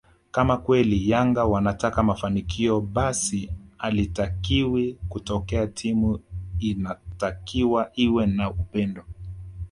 kama kweli Yanga wanataka mafanikio basi halitakiwi kutokea timu inatakiwa iwe na upendo